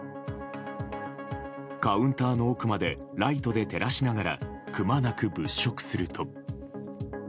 カウンターの奥までライトで照らしながらくまなく物色すると。